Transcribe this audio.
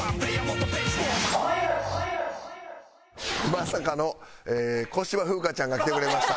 まさかの小芝風花ちゃんが来てくれました。